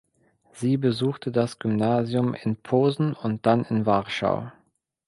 Sie besuchte das Gymnasium in Posen und dann in Warschau.